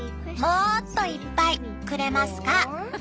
もっといっぱいくれますか？」。